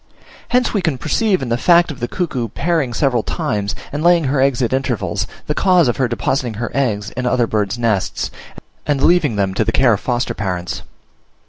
Hence we can perceive in the fact of the cuckoo pairing several times, and laying her eggs at intervals, the cause of her depositing her eggs in other birds' nests, and leaving them to the care of foster parents.